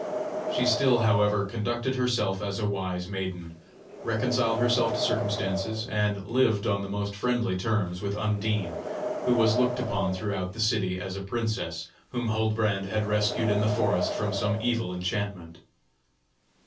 She still, however, conducted herself as a wise maiden, reconciled herself to circumstances, and lived on the most friendly terms with Undine, who was looked upon throughout the city as a princess whom Huldbrand had rescued in the forest from some evil enchantment.